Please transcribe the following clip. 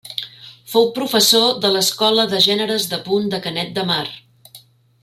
Fou professor de l’Escola de Gèneres de Punt de Canet de Mar.